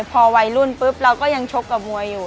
พอวัยรุ่นปุ๊บเราก็ยังชกกับมวยอยู่